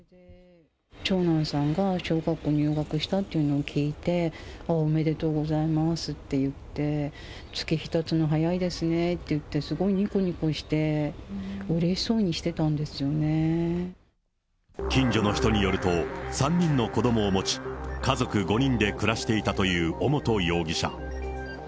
長男さんが小学校入学したっていうの聞いて、おめでとうございますって言って、月日たつのは早いですねって言って、すごいにこにこして、うれし近所の人によると、３人の子どもを持ち、家族５人で暮らしていたという尾本容疑者。